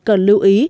cần lưu ý